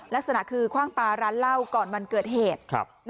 ลักษณะคือคว่างปลาร้านเหล้าก่อนวันเกิดเหตุ